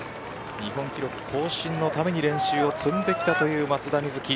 日本記録更新のために練習を積んできた松田瑞生。